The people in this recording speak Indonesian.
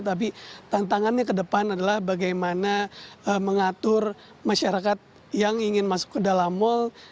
tapi tantangannya ke depan adalah bagaimana mengatur masyarakat yang ingin masuk ke dalam mal